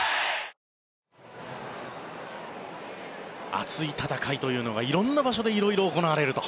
熱い戦いというのが色んな場所で色々行われると。